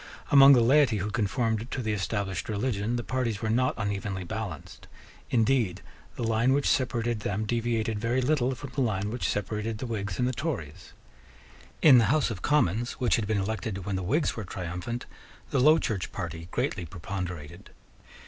Among the laity who conformed to the established religion the parties were not unevenly balanced. Indeed the line which separated them deviated very little from the line which separated the Whigs and the Tories. In the House of Commons, which had been elected when the Whigs were triumphant, the Low Church party greatly preponderated.